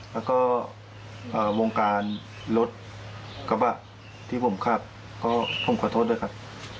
แล้วก็วงการรถกระบะที่ผมขับก็ผมขอโทษด้วยครับ